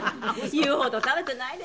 言うほど食べていないですよ。